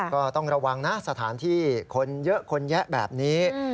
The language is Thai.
ก็ต้องระวังนะสถานที่คนเยอะคนแยะแบบนี้